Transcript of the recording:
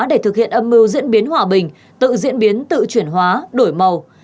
để thực hiện âm mưu diễn biến hòa bình tự diễn biến tự chuyển hóa đổi màu